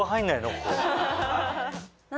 ここ。